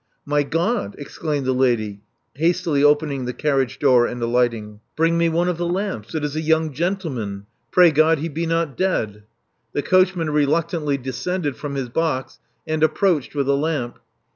My God!" exclaimed the lady, hastily opening the carriage door, and alighting. Bring me one of the lamps. It is a young gentleman. Pray God he be not dead." The coachman reluctantly descended from his box, and approached with a lamp.